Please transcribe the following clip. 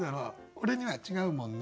俺には「違うもんね」。